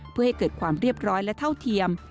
เพื่อให้เกิดความเรียบร้อยและเท่าเทียม